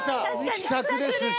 気さくですし。